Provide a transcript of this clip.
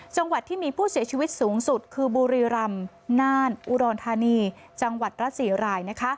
จังหวัดที่มีผู้เสียชีวิตสูงสุดคือบุรีรำน่านอุดรธานีจังหวัดละ๔ราย